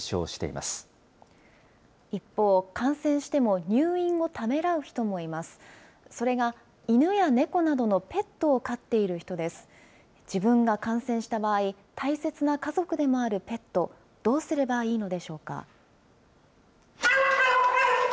自分が感染した場合、大切な家族でもあるペット、どうすればいいのでしょうか。